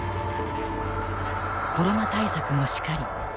コロナ対策もしかり。